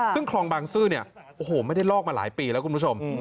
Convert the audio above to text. ซึ่งคลองบางซื้อไม่ได้ลอกมาหลายปีแล้วคุณผู้ชม